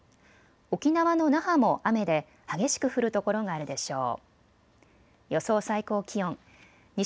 沖縄の那覇も雨で激しく降る所があるでしょう。